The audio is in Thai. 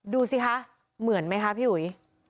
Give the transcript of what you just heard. ดูสิคะเหมือนไหมคะพี่อุ๋ย